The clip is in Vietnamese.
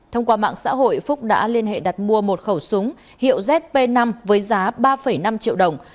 thông qua mạng xã hội phúc đã liên hệ đặt mua một khẩu súng hiệu zp năm với giá ba năm triệu đồng